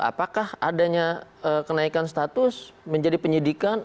apakah adanya kenaikan status menjadi penyidikan